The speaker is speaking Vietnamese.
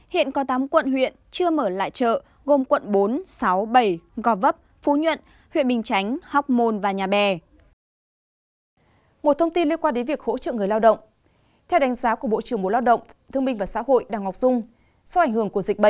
hiện có tám quận huyện chưa mở lại chợ gồm quận bốn sáu bảy gò vấp phú nhuận huyện bình chánh hóc môn và nhà bè